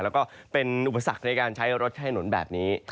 แล้วก็เป็นอุปสรรคในการใช้รถใช้หนุนแบบนี้